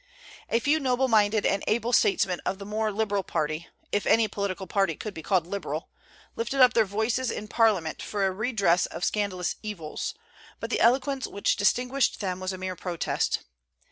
A few noble minded and able statesmen of the more liberal party, if any political party could be called liberal, lifted up their voices in Parliament for a redress of scandalous evils; but the eloquence which distinguished them was a mere protest.